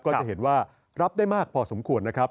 ก็จะเห็นว่ารับได้มากพอสมควรนะครับ